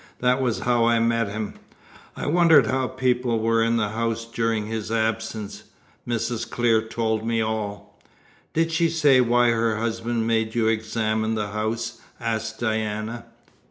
That was how I met him. I wondered how people were in the house during his absence. Mrs. Clear told me all." "Did she say why her husband made you examine the house?" asked Diana.